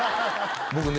僕ね